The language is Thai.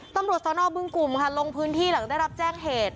ตำรวจสนบึงกลุ่มค่ะลงพื้นที่หลังได้รับแจ้งเหตุ